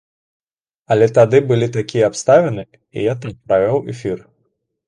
Але тады былі такія абставіны, і я так правёў эфір.